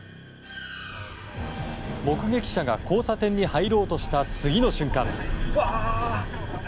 目撃者が交差点に入ろうとした次の瞬間。